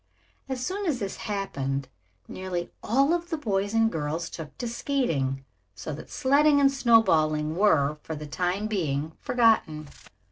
As soon as this happened nearly all of the boys and girls took to skating, so that sledding and snowballing were, for the time being, forgotten.